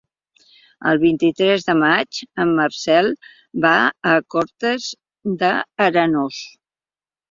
El vint-i-tres de maig en Marcel va a Cortes d'Arenós.